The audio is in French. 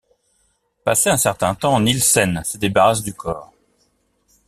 Passé un certain temps, Nilsen se débarrasse du corps.